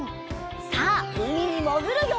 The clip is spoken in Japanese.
さあうみにもぐるよ！